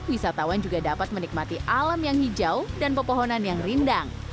wisatawan juga dapat menikmati alam yang hijau dan pepohonan yang rindang